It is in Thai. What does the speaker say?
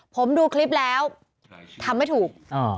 ผมดูคลิปแล้วทำไม่ถูก